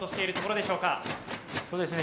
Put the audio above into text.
そうですね。